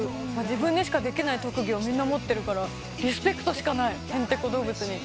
自分にしかできない特技をみんな持ってるからリスペクトしかないへんてこ動物に。